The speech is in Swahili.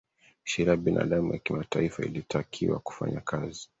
sheria ya binadamu ya kimataifa ilitakiwa kufanya kazi